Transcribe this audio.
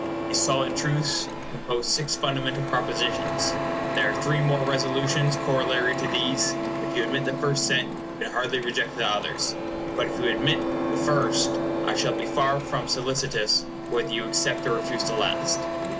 These solid truths compose six fundamental propositions. There are three more Resolutions corollary to these. If you admit the first set, you can hardly reject the others. But if you admit the first, I shall be far from solicitous whether you accept or refuse the last.